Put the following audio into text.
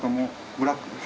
ブラックで？